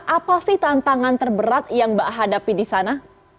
apa sih tantangan terberat yang mbak hadapi di sana